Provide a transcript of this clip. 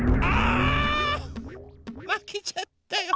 まけちゃったよ。